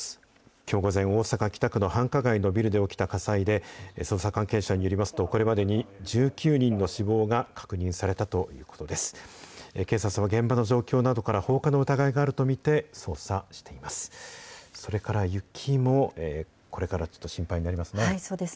きょう午前、大阪・北区の繁華街のビルで起きた火災で、捜査関係者によりますと、これまでに１９人の死亡が確認されたということです。